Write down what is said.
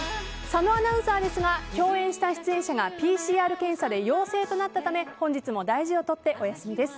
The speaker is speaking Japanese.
佐野アナウンサーですが共演した出演者が、ＰＣＲ検査で陽性となったため本日も大事を取ってお休みです。